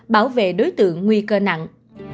bảo vệ đối tượng nguy cơ nặng